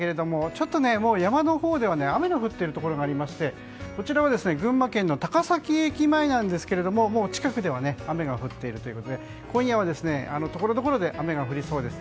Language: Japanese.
ちょっとね、山のほうでは雨が降っているところもありましてこちらは群馬県の高崎駅前なんですけれどももう近くでは雨が降っているということで今夜はところどころで雨が降りそうです。